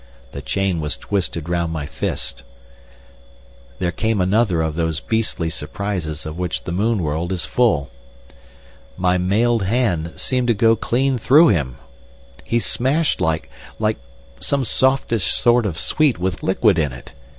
The chain was twisted round my fist. There came another of these beastly surprises of which the moon world is full. My mailed hand seemed to go clean through him. He smashed like—like some softish sort of sweet with liquid in it!